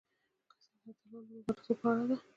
کیسه د اتلانو د مبارزو په اړه ده.